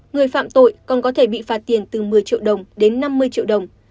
người phạm tội còn có thể bị phạt tiền từ một mươi triệu đồng đến năm mươi triệu đồng